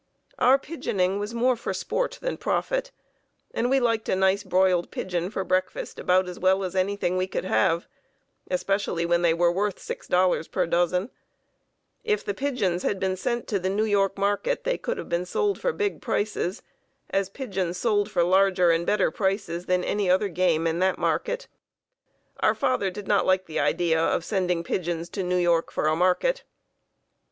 Our "pigeoning" was more for sport than profit, and we liked a nice broiled pigeon for breakfast about as well as anything we could have, especially when they were worth $6.00 per dozen. If the pigeons had been sent to the New York market they could have been sold for big prices, as pigeons sold for larger and better prices than any other game in that market. Our father did not like the idea of sending pigeons to New York for a market.